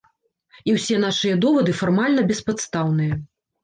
І ўсе нашыя довады фармальна беспадстаўныя.